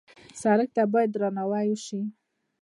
سړک ته باید درناوی وشي.